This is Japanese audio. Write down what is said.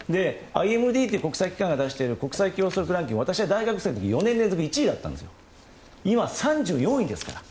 ＩＭＤというところが出している国際競争ランキングは私が大学生の時４年連続１位だったんですが今、３４位ですから。